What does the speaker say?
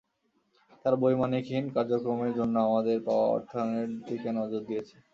তার বৈমানিকহীন কার্যক্রমের জন্য আমাদের পাওয়া অর্থায়নের দিকে নজর দিয়েছে।